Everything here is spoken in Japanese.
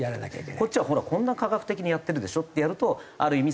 こっちはほらこんなに科学的にやってるでしょってやるとある意味